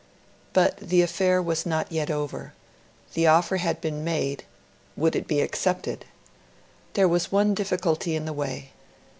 But the affair was not yet over. The offer had been made; would it be accepted? There was one difficulty in the way.